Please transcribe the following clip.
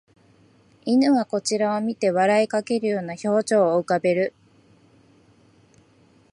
犬はこちらを見て笑いかけるような表情を浮かべる